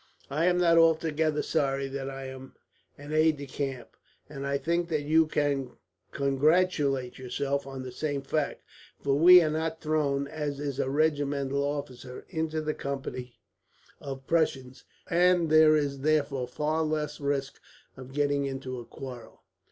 "I am not altogether sorry that I am an aide de camp, and I think that you can congratulate yourself on the same fact; for we are not thrown, as is a regimental officer, into the company of Prussians, and there is therefore far less risk of getting into a quarrel.